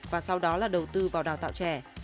và sau đó là đầu tư vào đào tạo trẻ